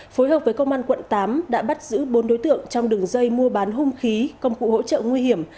phối hợp với công an quận tám đã bắt giữ bốn đối tượng trong đường dây mua bán hung khí công cụ hỗ trợ nguy hiểm